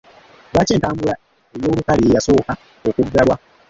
Lwaki entambula ey'olukale ye yasooka okuggalwa?